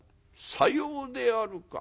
「さようであるか。